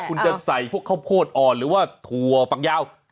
คุณจะใส่พวกข้าวโพดอ่อนหรือว่าถั่วฝักยาว